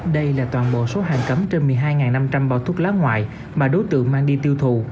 đây là toàn bộ số hàng cấm trên một mươi hai năm trăm linh bao thuốc lá ngoại mà đối tượng mang đi tiêu thụ